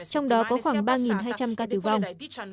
trong đó có khoảng ba hai trăm linh ca tử vong